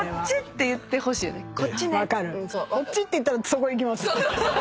「こっち」って言ったらそこ行きます。